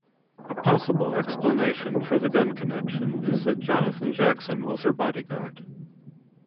A possible explanation for the gun connection is that Jonathan Jackson was her bodyguard.